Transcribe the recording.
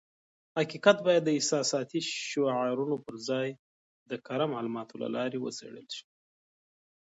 حقیقت بايد د احساساتي شعارونو پر ځای د کره معلوماتو له لارې وڅېړل شي.